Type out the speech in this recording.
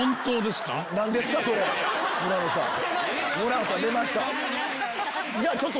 村野さん出ました。